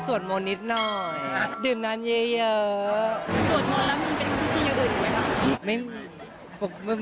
สวดโมนแล้วมีเป็นผู้ชิงให้หยุดไหมครับ